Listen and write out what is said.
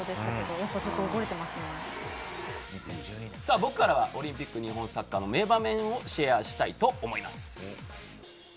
僕からはオリンピック日本サッカーの名場面をシェアしたいと思います。